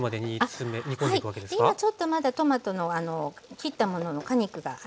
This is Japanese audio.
今ちょっとまだトマトの切ったものの果肉があるんですね。